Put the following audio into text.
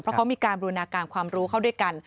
เพราะเขามีการบูรณาการความรู้เข้าด้วยกัน